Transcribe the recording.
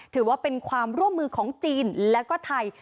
ถือว่าเป็นความร่วมมือของจีนและก็ไทย